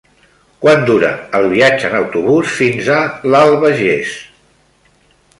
Quant dura el viatge en autobús fins a l'Albagés?